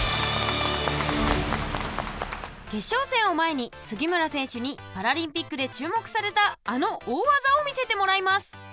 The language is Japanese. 決勝戦を前に杉村選手にパラリンピックで注目されたあの大技を見せてもらいます。